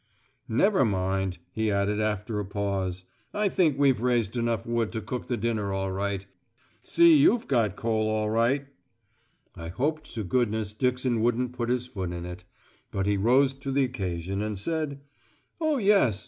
"Never mind," he added after a pause. "I think we've raised enough wood to cook the dinner all right. See you've got coal all right." I hoped to goodness Dixon wouldn't put his foot in it. But he rose to the occasion and said: "Oh, yes.